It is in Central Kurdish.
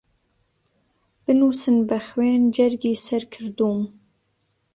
بنووسن بە خوێن جەرگی سەر کردووم